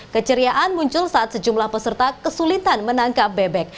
keceriaan muncul saat sejumlah peserta kesulitan menangkap bebek